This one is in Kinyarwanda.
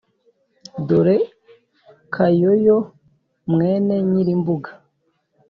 dore kayoyo mwene nyirimbuga.